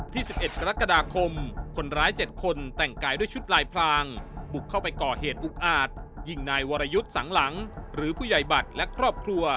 สิบเอ็ดกรกฎาคมคนร้าย๗คนแต่งกายด้วยชุดลายพรางบุกเข้าไปก่อเหตุอุกอาจยิงนายวรยุทธ์สังหลังหรือผู้ใหญ่บัตรและครอบครัว